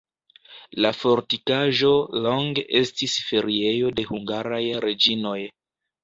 La fortikaĵo longe estis feriejo de hungaraj reĝinoj.